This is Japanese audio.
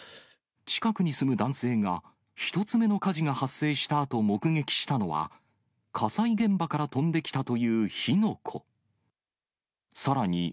近くに住む男性が、１つ目の火事が発生したあと目撃したのは、火災現場から飛んできたという火の粉。